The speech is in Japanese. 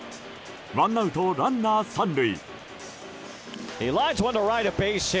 ワンアウト、ランナー３塁。